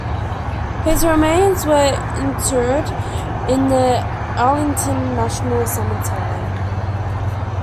His remains were interred in the Arlington National Cemetery.